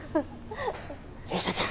勇者ちゃん